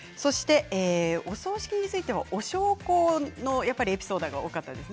お葬式についてはお焼香のエピソードが多かったです。